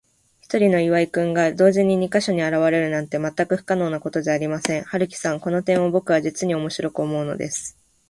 ひとりの今井君が、同時に二ヵ所にあらわれるなんて、まったく不可能なことじゃありませんか。春木さん、この点をぼくは、じつにおもしろく思うのです。